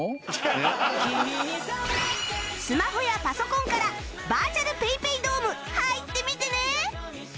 スマホやパソコンからバーチャル ＰａｙＰａｙ ドーム入ってみてね！